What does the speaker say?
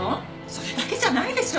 それだけじゃないでしょ。